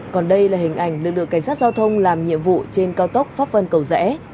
còn đây là hình ảnh lực lượng cảnh sát giao thông làm nhiệm vụ trên cao tốc pháp vân cầu rẽ